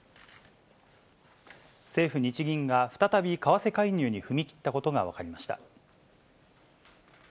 政府・日銀が再び為替介入に踏み切ったことが分かりました。